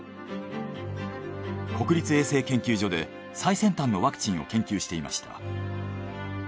国立衛生研究所で最先端のワクチンを研究していました。